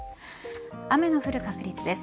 雨の降る確率です。